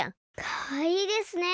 かわいいですね。